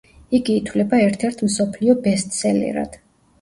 იგი ითვლება ერთ-ერთ მსოფლიო ბესტსელერად.